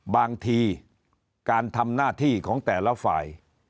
บางทีการทำหน้าที่ของแต่ละฝ่าย